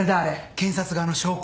検察側の証拠。